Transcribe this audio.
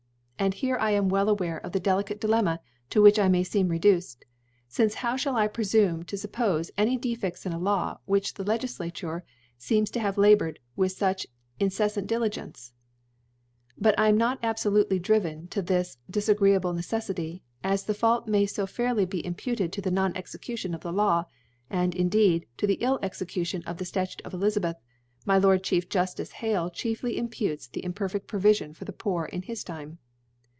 And here I am well aware of the delicate Dilemma to which 1 may fecm reduced •, fince how (hall I prefame to fuppofc any De fcfts in a Law, which the Legiflature feems to have laboured with fuch incefiant Dili gence ? Bat I am not abfolurely driven to this difagreeaWe N«eflity, as the Fault may fo fairly be imputed to the Non cxecutron of the Law ; and indeed to the ill Execution of the Statute oiEUzabcth^ my Lord Chief Joftice Hak chiefly imputes the imperfcft IVovrfion for the Poor in his Time.